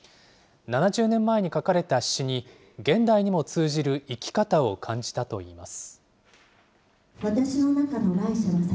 ７０年前に書かれた詩に、現代にも通じる生き方を感じたといいます。